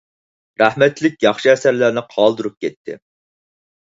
رەھمەتلىك ياخشى ئەسەرلەرنى قالدۇرۇپ كەتتى.